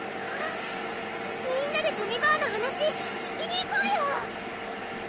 みんなでとみ婆の話聞きに行こうよ！